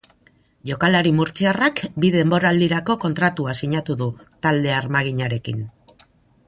Jokalari murtziarrak bi denboraldirako kontratua sinatu du talde armaginarekin.